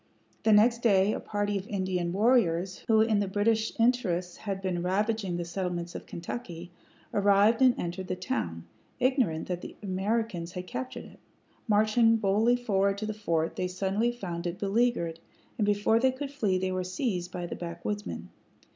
The next day a party of Indian warriors, who in the British interest had been ravaging the settlements of Kentucky, arrived and entered the town, ignorant that the Americans had captured it. Marching boldly forward to the fort, they suddenly found it beleaguered, and before they could flee they were seized by the backwoodsmen.